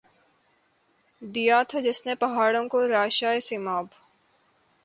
دیا تھا جس نے پہاڑوں کو رعشۂ سیماب